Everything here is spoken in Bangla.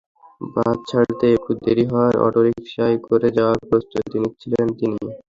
বাস ছাড়তে একটু দেরি হওয়ায় অটোরিকশায় করে যাওয়ার প্রস্তুতি নিচ্ছিলেন তিনি।